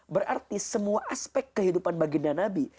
berarti semua aspek kehidupan baginda nabi